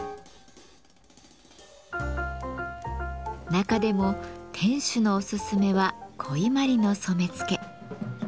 中でも店主のおすすめは古伊万里の染付。